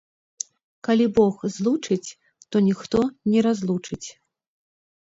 Калі Бог злучыць, то ніхто не разлучыць